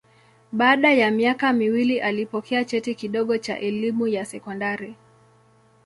Baada ya miaka miwili alipokea cheti kidogo cha elimu ya sekondari.